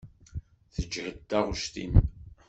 Teǧhed taɣect-im.